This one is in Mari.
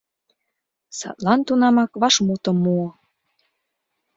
Садлан тунамак вашмутым муо: